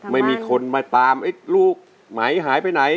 ไม่มีคนมาตามลูกไหมหายไปไหน